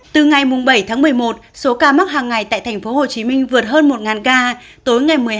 từ ngày bảy tháng một mươi một số ca mắc hàng ngày tại thành phố hồ chí minh vượt hơn một ca tối ngày một mươi hai